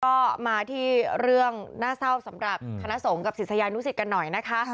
ก็มาที่เรื่องน่าเศร้าสำหรับคณะสงฆ์กับศิษยานุสิตกันหน่อยนะคะ